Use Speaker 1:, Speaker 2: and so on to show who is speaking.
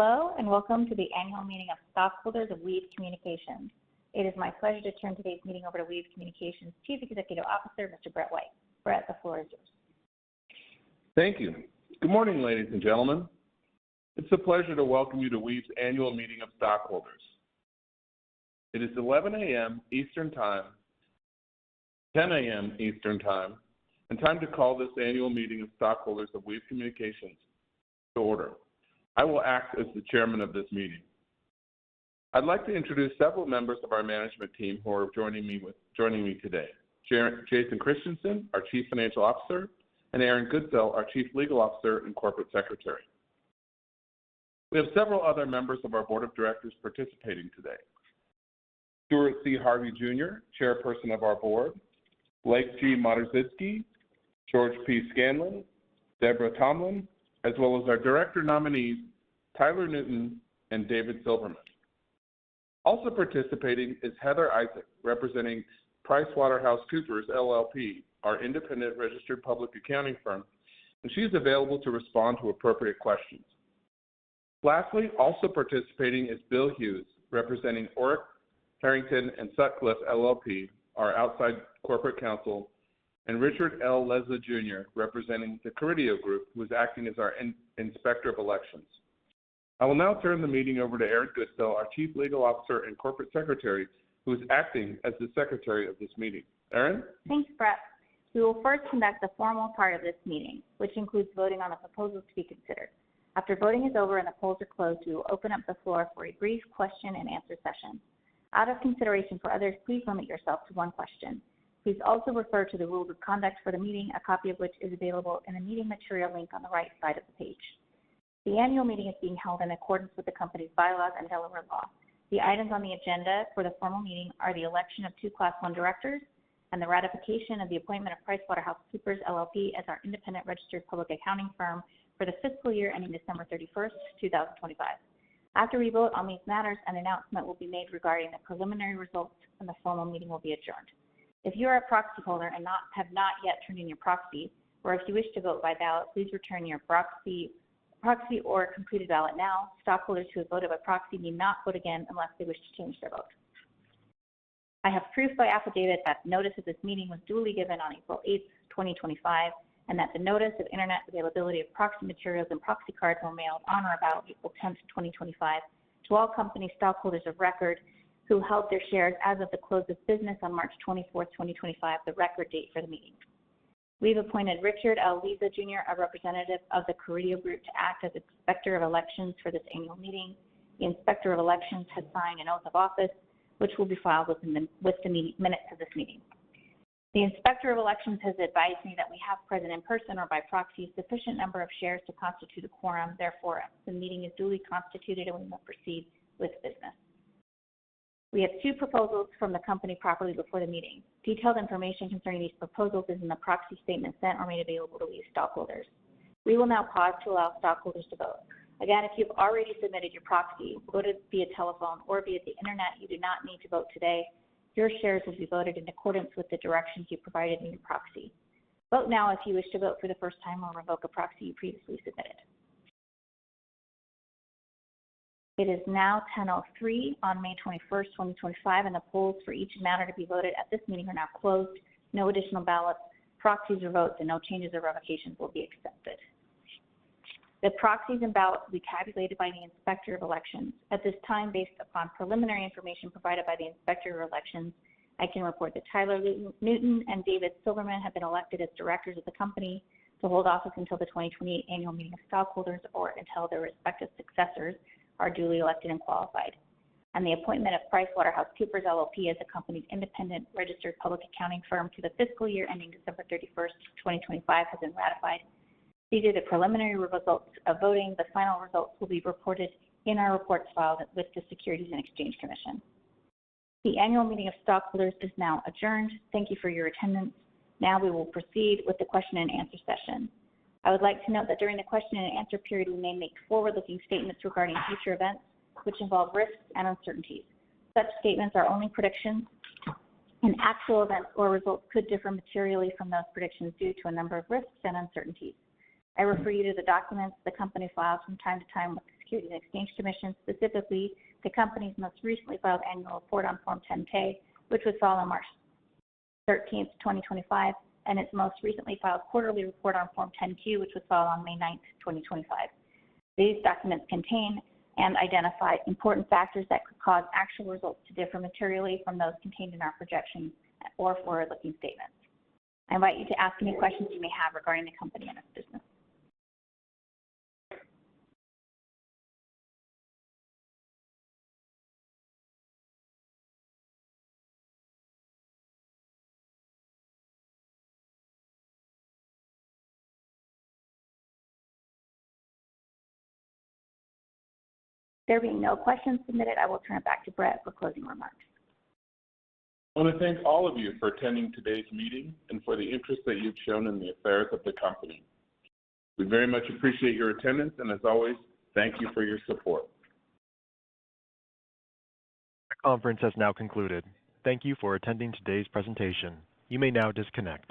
Speaker 1: Hello, and welcome to the annual meeting of stockholders of Weave Communications. It is my pleasure to turn today's meeting over to Weave Communications Chief Executive Officer, Mr. Brett White. Brett, the floor is yours.
Speaker 2: Thank you. Good morning, ladies and gentlemen. It's a pleasure to welcome you to Weave's annual meeting of stockholders. It is 11:00 A.M. Eastern Time, 10:00 A.M. Eastern Time, and time to call this annual meeting of stockholders of Weave Communications to order. I will act as the chairman of this meeting. I'd like to introduce several members of our management team who are joining me today: Jason Christensen, our Chief Financial Officer, and Erin Goodsell, our Chief Legal Officer and Corporate Secretary. We have several other members of our board of directors participating today: Stuart C. Harvey, Jr., Chairperson of our board; Blake G. Modersitzki; George P. Scanlon; Deborah Tomlin; as well as our director nominees, Tyler Newton and David Silverman. Also participating is Heather Isaac, representing PricewaterhouseCoopers LLP, our independent registered public accounting firm, and she's available to respond to appropriate questions. Lastly, also participating is Bill Hughes, representing Orrick, Herrington & Sutcliffe LLP, our outside corporate counsel, and Richard L. Leza, Jr., representing the Carideo Group, who is acting as our inspector of elections. I will now turn the meeting over to Erin Goodsell, our Chief Legal Officer and Corporate Secretary, who is acting as the secretary of this meeting. Erin?
Speaker 3: Thanks, Brett. We will first conduct the formal part of this meeting, which includes voting on the proposals to be considered. After voting is over and the polls are closed, we will open up the floor for a brief question-and-answer session. Out of consideration for others, please limit yourself to one question. Please also refer to the rules of conduct for the meeting, a copy of which is available in the meeting material link on the right side of the page. The annual meeting is being held in accordance with the company's bylaws and Delaware law. The items on the agenda for the formal meeting are the election of two Class I directors and the ratification of the appointment of PricewaterhouseCoopers LLP as our independent registered public accounting firm for the fiscal year ending December 31st, 2025. After we vote on these matters, an announcement will be made regarding the preliminary results, and the formal meeting will be adjourned. If you are a proxy holder and have not yet turned in your proxy, or if you wish to vote by ballot, please return your proxy or completed ballot now. Stockholders who have voted by proxy may not vote again unless they wish to change their vote. I have proof by affidavit that the notice of this meeting was duly given on April 8th, 2025, and that the notice of internet availability of proxy materials and proxy cards were mailed on or about April 10th, 2025, to all company stockholders of record who held their shares as of the close of business on March 24th, 2025, the record date for the meeting. We've appointed Richard L. Leza. Leza, Jr., a representative of the Carideo Group, to act as inspector of elections for this annual meeting. The inspector of elections has signed an oath of office, which will be filed within the minutes of this meeting. The inspector of elections has advised me that we have present in person or by proxy a sufficient number of shares to constitute a quorum. Therefore, the meeting is duly constituted, and we will proceed with business. We have two proposals from the company properly before the meeting. Detailed information concerning these proposals is in the proxy statement sent or made available to Weave stockholders. We will now pause to allow stockholders to vote. Again, if you've already submitted your proxy, whether via telephone or via the internet, you do not need to vote today. Your shares will be voted in accordance with the directions you provided in your proxy. Vote now if you wish to vote for the first time or revoke a proxy you previously submitted. It is now 10:03 A.M. on May 21st, 2025, and the polls for each matter to be voted at this meeting are now closed. No additional ballots, proxies, or votes, and no changes or revocations will be accepted. The proxies and ballots will be tabulated by the inspector of elections. At this time, based upon preliminary information provided by the inspector of elections, I can report that Tyler Newton and David Silverman have been elected as directors of the company to hold office until the 2028 annual meeting of stockholders or until their respective successors are duly elected and qualified, and the appointment of PricewaterhouseCoopers LLP as the company's independent registered public accounting firm to the fiscal year ending December 31st, 2025, has been ratified. These are the preliminary results of voting. The final results will be reported in our reports filed with the Securities and Exchange Commission. The annual meeting of stockholders is now adjourned. Thank you for your attendance. Now we will proceed with the question-and-answer session. I would like to note that during the question-and-answer period, we may make forward-looking statements regarding future events, which involve risks and uncertainties. Such statements are only predictions, and actual events or results could differ materially from those predictions due to a number of risks and uncertainties. I refer you to the documents the company files from time to time with the Securities and Exchange Commission, specifically the company's most recently filed annual report on Form 10-K, which was filed on March 13th, 2025, and its most recently filed quarterly report on Form 10-Q, which was filed on May 9, 2025. These documents contain and identify important factors that could cause actual results to differ materially from those contained in our projections or forward-looking statements. I invite you to ask any questions you may have regarding the company and its business. There being no questions submitted, I will turn it back to Brett for closing remarks.
Speaker 2: I want to thank all of you for attending today's meeting and for the interest that you've shown in the affairs of the company. We very much appreciate your attendance, and as always, thank you for your support.
Speaker 1: The conference has now concluded. Thank you for attending today's presentation. You may now disconnect.